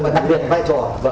cải thống chính trị của quốc hội